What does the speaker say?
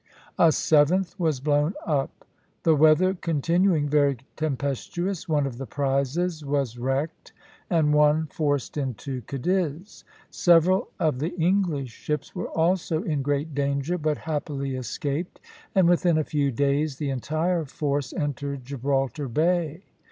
A seventh was blown up. The weather continuing very tempestuous, one of the prizes was wrecked, and one forced into Cadiz; several of the English ships were also in great danger, but happily escaped, and within a few days the entire force entered Gibraltar Bay.